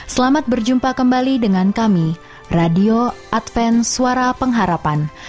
selamat berjumpa kembali dengan kami radio advent suara pengharapan